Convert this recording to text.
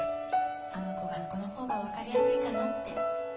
あの子がこの方がわかりやすいかなって